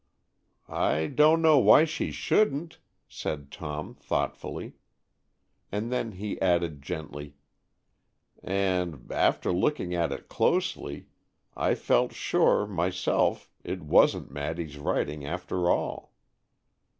"I don't know why she shouldn't," said Tom, thoughtfully. And then he added gently, "And, after looking at it closely, I felt sure, myself, it wasn't Maddy's writing, after all."